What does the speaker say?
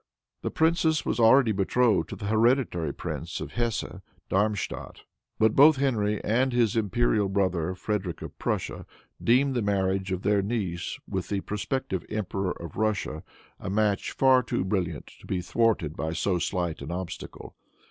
The princess was already betrothed to the hereditary prince of Hesse Darmstadt, but both Henry and his imperial brother, Frederic of Prussia, deemed the marriage of their niece with the prospective Emperor of Russia a match far too brilliant to be thwarted by so slight an obstacle.